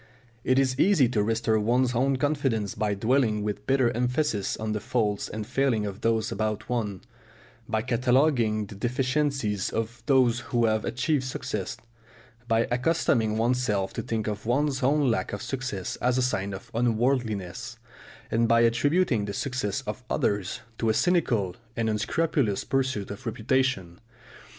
It is easy to restore one's own confidence by dwelling with bitter emphasis on the faults and failings of those about one, by cataloguing the deficiencies of those who have achieved success, by accustoming oneself to think of one's own lack of success as a sign of unworldliness, and by attributing the success of others to a cynical and unscrupulous pursuit of reputation.